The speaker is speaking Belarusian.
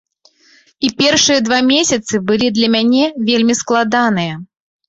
І першыя два месяцы былі для мяне вельмі складаныя.